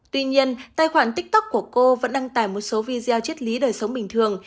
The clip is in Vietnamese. tuy nhiên tài khoản tiktok của cô vẫn đăng tải một số video chết lý đời sống bình thường